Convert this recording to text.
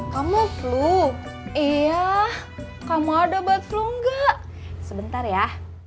kamu flu iya kamu ada batu enggak sebentar ya